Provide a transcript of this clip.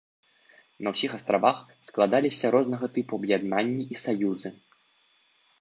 На ўсіх астравах складаліся рознага тыпу аб'яднанні і саюзы.